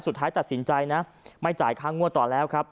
สุดท้ายตัดสินใจนะไม่จ่ายค่างวดต่อแล้วครับ